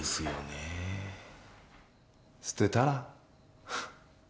え捨てたら？